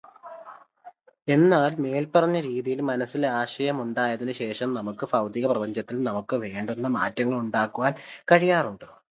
എന്നാൽ, മേല്പറഞ്ഞ രീതിയിൽ മനസ്സിൽ ആശയമുണ്ടായതിനു ശേഷം നമുക്ക് ഭൗതികപ്രപഞ്ചത്തിൽ നമുക്കു വേണ്ടുന്ന മാറ്റങ്ങളുണ്ടാക്കുവാൻ കഴിയാറുണ്ട്.